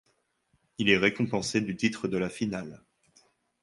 Il est récompensé du titre de de la finale.